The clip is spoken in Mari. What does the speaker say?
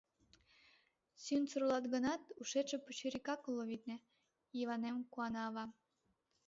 — Сӱҥсыр улат гынат, ушетше пычырикак уло, витне, Йыванем, — куана ава.